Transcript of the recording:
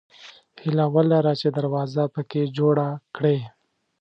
هیله ولره چې دروازه پکې جوړه کړې.